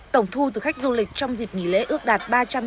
tổng thu từ khách du lịch trong dịp nghỉ lễ ước đạt